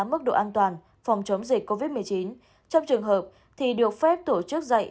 mức độ an toàn phòng chống dịch covid một mươi chín trong trường hợp thì được phép tổ chức dạy